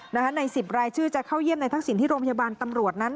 ใน๑๐รายชื่อจะเข้าเยี่ยมในทักษิณที่โรงพยาบาลตำรวจนั้น